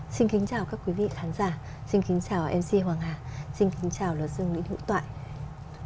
xin kính chào các quý vị khán giả xin kính chào mc hoàng hà xin kính chào luật sư nguyễn hữu toại